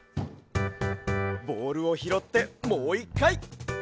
ボールをひろってもう１かい。